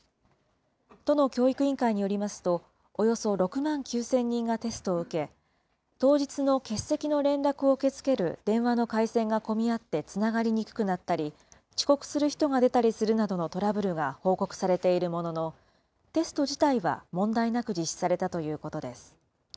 都の教育委員会によりますと、およそ６万９０００人がテストを受け、当日の欠席の連絡を受け付ける電話の回線が混み合ってつながりにくくなったり、遅刻する人が出たりするなどのトラブルが報告されているものの、テスト自体は問題なく実施されたということです。